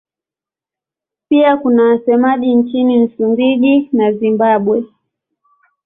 Pia kuna wasemaji nchini Msumbiji na Zimbabwe.